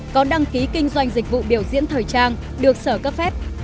có đăng ký kinh doanh dịch vụ biểu diễn thời trang được sở cấp phép